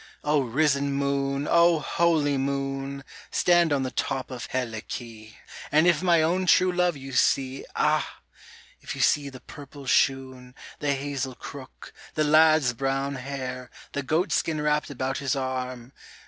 O risen moon ! O holy moon ! Stand on the top of Helice, And if my own true love you see, Ah ! if you see the purple shoon, The hazel crook, the lad's brown hair, The goat skin wrapped about his arm.